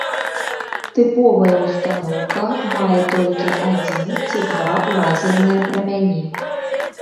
Тыповая ўстаноўка мае толькі адзін ці два лазерныя прамяні.